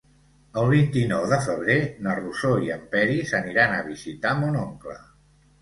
El vint-i-nou de febrer na Rosó i en Peris aniran a visitar mon oncle.